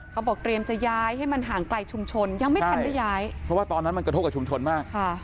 เขาบอกเตรียมจะย้ายให้มันห่างไกลชุมชนยังไม่ทันได้ย้ายเพราะว่าตอนนั้นมันกระทบกับชุมชนมาก